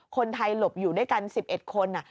คนไทยหลบอยู่ด้วยกัน๑๑คน